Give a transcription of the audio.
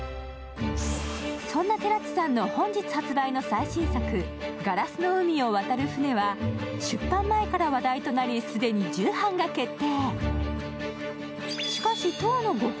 そんな寺地さんの本日発売の最新作、「ガラスの海を渡る舟」は出版前から話題となり、既に重版が決定。